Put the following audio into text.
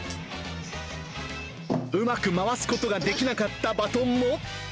うまく回すことができなかったバトンも。